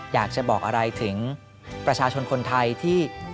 อยากจะบอกอะไรถึงประชาชนคนไทยที่